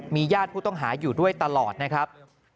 ญาติผู้ต้องหาอยู่ด้วยตลอดนะครับ